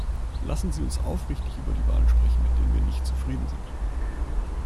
Lassen Sie uns aufrichtig über die Wahlen sprechen, mit denen wir nicht zufrieden sind.